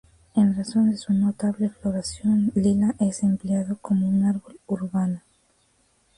En razón de su notable floración lila es empleado como un árbol urbano.